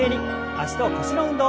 脚と腰の運動。